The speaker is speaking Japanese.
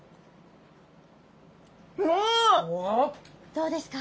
どうですか？